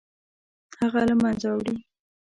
هغه له منځه وړي.